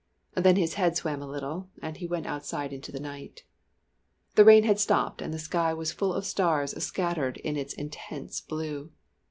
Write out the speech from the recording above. Then his head swam a little, and he went outside into the night. The rain had stopped and the sky was full of stars scattered in its intense blue.